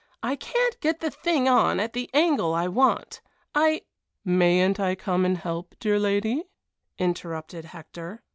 I can't get the thing on at the angle I want. I " "Mayn't I come and help, dear lady?" interrupted Hector.